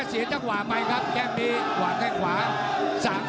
เสียจักหวาไปครับแก้มนี้หวาแค่ขวา